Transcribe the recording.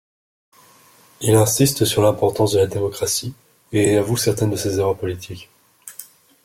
Il insiste sur l'importance de la démocratie et avoue certaines de ses erreurs politiques.